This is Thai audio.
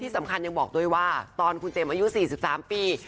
สำคัญยังบอกได้ว่าตอนนายอายุซิบสามปี